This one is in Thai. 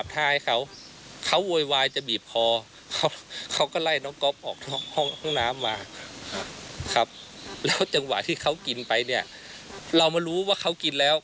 ที่เขากินไปเนี่ยเรามารู้ว่าเขากินแล้ว